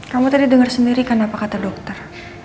kamu tadi dengar sendiri kan apa kata dokter